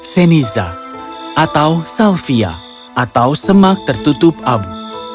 seniza atau salvia atau semak tertutup abu